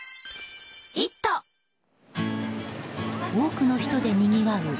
多くの人でにぎわう